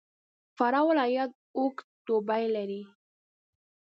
فراه ولایت اوږد دوبی لري.